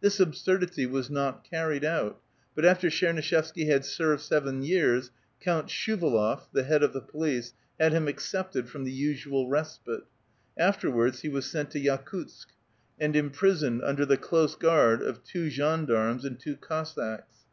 This absurdity was not earned out ; but after Tchernuishevsky had served seven 3'ears, Count Shuvdlof , the head of the police, had him excepted from the usual respite. Afterwards he was sent to Yakutsk, and imprisoned under the close guard of two gens d^armes and two Cossacks.